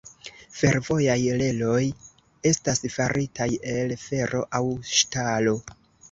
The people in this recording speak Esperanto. Fervojaj reloj estas faritaj el fero aŭ ŝtalo.